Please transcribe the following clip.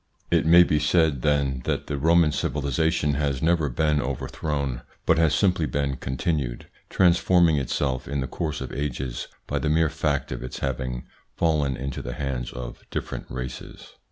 It may be said, then, that the Roman civilisation has never been overthrown, but has simply been con tinued, transforming itself in the course of ages by the mere fact of its having fallen into the hands of different races.